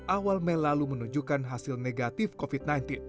awal mei lalu menunjukkan hasil negatif covid sembilan belas